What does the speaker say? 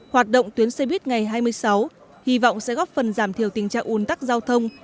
hoạt động tuyến xe buýt ngày hai mươi sáu hy vọng sẽ góp phần giảm thiểu tình trạng ồn tắc giao thông